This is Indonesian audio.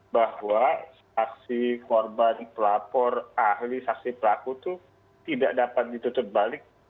bahwa saksi korban pelapor ahli saksi pelaku itu tidak dapat ditutup balik